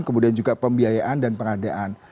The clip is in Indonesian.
kemudian juga pembiayaan dan pengadaan